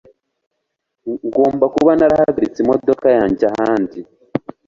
Ngomba kuba narahagaritse imodoka yanjye ahandi.